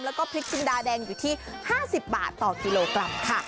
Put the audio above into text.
แล้วก็พริกจินดาแดงอยู่ที่๕๐บาทต่อกิโลกรัมค่ะ